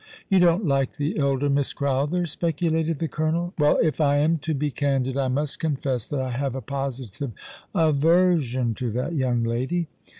" You don't like the elder Miss Crowther ?" speculated tho colonel. " Well, if I am to be candid, I must confess that I have a 102 All alonz the River, ^> positive aversion to that young lady.